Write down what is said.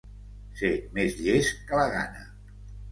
Ser més llest que la gana.